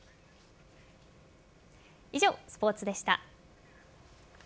以上、スポーツでした。